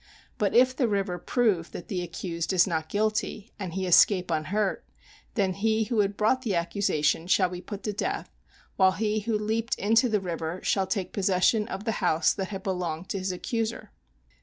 But if the river prove that the accused is not guilty, and he escape unhurt, then he who had brought the accusation shall be put to death, while he who leaped into the river shall take possession of the house that had belonged to his accuser.